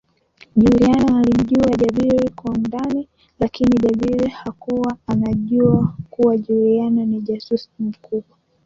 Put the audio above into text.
Juliana alimjua Jabir kwa undani lakini Jabir hakuwa anajua kuwa Juliana ni jasusi mkubwa